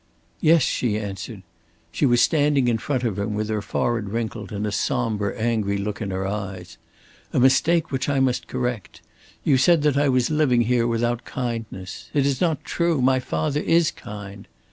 "Yes," she answered. She was standing in front of him with her forehead wrinkled and a somber, angry look in her eyes. "A mistake which I must correct. You said that I was living here without kindness. It is not true. My father is kind!"